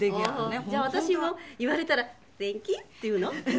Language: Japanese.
じゃあ私も言われたら「サンキュー」って言うの？